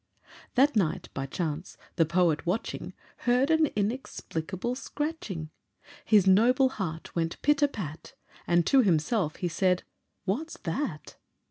That night, by chance, the poet watching, Heard an inexplicable scratching; His noble heart went pit a pat, And to himself he said "What's that?"